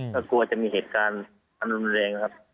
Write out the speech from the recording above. ก็กลัวจะมีเหตุการณ์อรุณแรงครับ